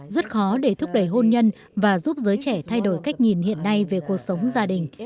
rất khó để thúc đẩy hôn nhân và giúp giới trẻ thay đổi cách nhìn hiện nay về cuộc sống gia đình